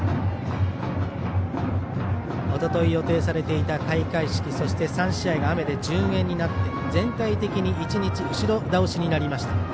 おととい予定されていた開会式そして３試合が雨で順延になって全体的に１日後ろ倒しになりました